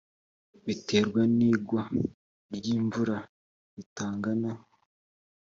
biterwa n’igwa ry’imvura ritangana